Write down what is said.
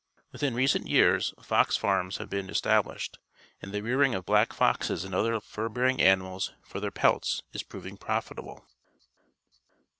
Within recent vear s fox farms have been established, and the rearing of black foxes an d^ othe r fur bearing animals for their pelts is proving profitable.